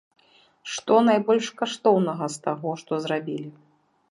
Што найбольш каштоўнага, з таго, што зрабілі?